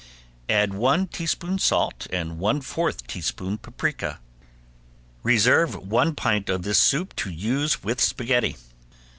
Add one teaspoon salt and one fourth teaspoon paprika. Reserve one pint of this soup to use with spaghetti.